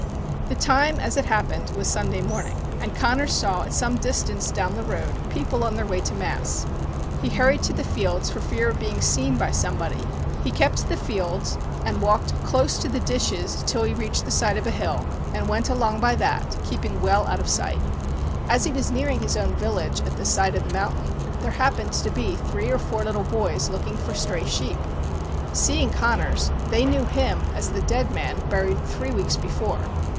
The time as it happened was Sunday morning, and io Tales of the Fairies Connors saw at some distance down the road people on their way to mass. He hurried to the fields for fear of being seen by somebody. He kept the fields and walked close to the ditches till he reached the side of a hill, and went along by that, keeping well out of sight. As he was nearing his own village at the side of the mountain there happened to be three or four little boys looking for stray sheep. Seeing Connors, they knew him as the dead man buried three weeks before.